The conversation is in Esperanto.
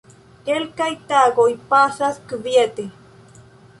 Kelkaj tagoj pasas kviete.